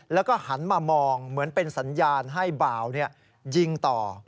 แล้วก็หันมามองเหมือนเป็นสัญญาณให้บ่าวยิงต่อ